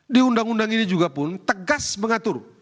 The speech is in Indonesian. di undang undang ini juga pun tegas mengatur